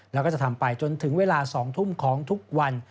แล้วก็จะทำไปจนถึงเวลา๒ทุ่มของทุกวัน